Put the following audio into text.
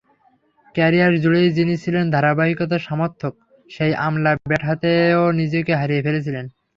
ক্যারিয়ারজুড়েই যিনি ছিলেন ধারাবাহিকতার সমার্থক, সেই আমলা ব্যাট হাতেও নিজেকে হারিয়ে ফেলেছিলেন।